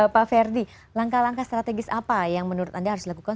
pak ferdi langkah langkah strategis apa yang menurut anda harus dilakukan